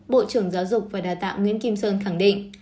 bộ trưởng giáo dục và đào tạo nguyễn kim sơn khẳng định